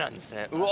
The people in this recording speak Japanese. うわ